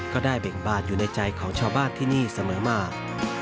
ก็ได้เป็นบ้านอยู่ในใจของชาวบ้านที่นี่เสมอมาก